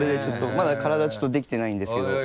まだ体ちょっとできてないんですけど。